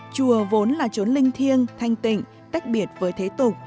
chùa vốn là trốn linh thiêng thanh tịnh tách biệt với thế tục